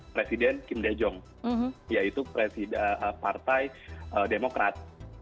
presiden kim dae jong yaitu partai demokrat